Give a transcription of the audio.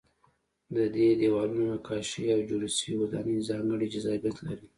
د دې دیوالونو نقاشۍ او جوړې شوې ودانۍ ځانګړی جذابیت لري.